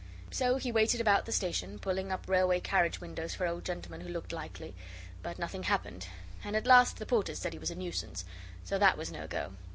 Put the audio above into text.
So he waited about the station, pulling up railway carriage windows for old gentlemen who looked likely but nothing happened, and at last the porters said he was a nuisance. So that was no go.